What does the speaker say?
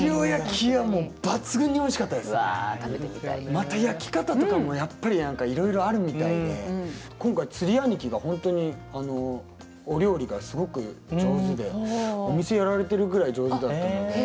また焼き方とかもやっぱり何かいろいろあるみたいで今回釣り兄貴が本当にお料理がすごく上手でお店やられてるぐらい上手だったので。